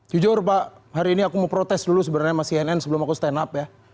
jujur pak hari ini aku mau protes dulu sebenarnya sama cnn sebelum aku stand up ya